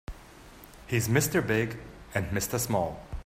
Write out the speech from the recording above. He's Mr. Big and Mr. Small.